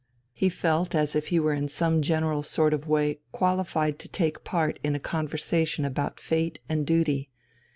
He felt as if he were in some general sort of way qualified to take part in a conversation about fate and duty.